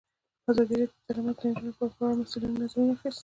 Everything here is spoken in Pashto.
ازادي راډیو د تعلیمات د نجونو لپاره په اړه د مسؤلینو نظرونه اخیستي.